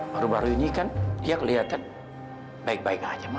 baru baru ini kan dia kelihatan baik baik aja